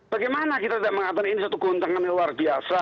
bagaimana kita tidak mengatakan ini satu keuntungan yang luar biasa